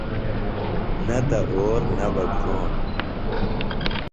نہ تہ اور نہ بہ گھروݨ۔